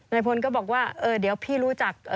พลก็บอกว่าเดี๋ยวพี่รู้จัก